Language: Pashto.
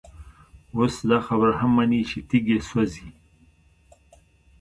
اوس دا خبره هم مني چي تيږي سوزي،